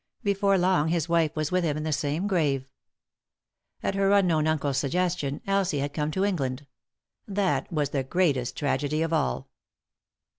Before long his wife was with him in the same grave. At her unknown uncle's suggestion Elsie had come to Eng land. That was the greatest tragedy of all.